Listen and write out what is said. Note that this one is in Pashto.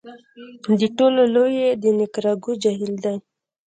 د ټولو لوی یې د نیکاراګو جهیل دی.